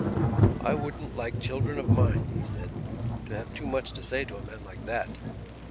"I wouldn't like children of mine," he said, "to have too much to say to a man like that."